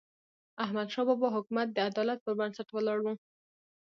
د احمدشاه بابا حکومت د عدالت پر بنسټ ولاړ و.